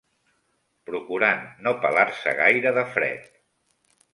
Procurant no pelar-se gaire de fred.